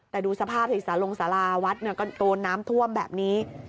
แต่ดูสภาพที่สารงศาลาวัดเนี้ยก็ตัวน้ำท่วมแบบนี้